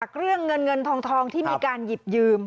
เรื่องเงินเงินทองที่มีการหยิบยืม